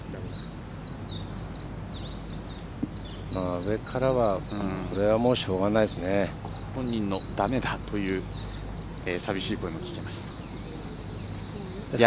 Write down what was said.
上からはこれは、しょうがないですね。本人のだめだという寂しい声が聞こえました。